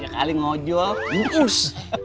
kali ngajok bus